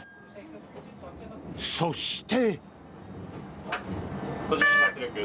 そして。